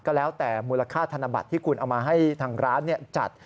ก็แล้วแต่มูลค่าธนบัตรที่คุณเอามาให้ทางร้านจัด